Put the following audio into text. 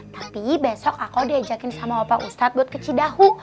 tapi besok aku diajakin sama bapak ustadz buat ke cidahu